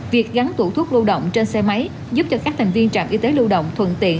việc gắn tủ thuốc lưu động trên xe máy giúp cho các thành viên trạm y tế lưu động thuận tiện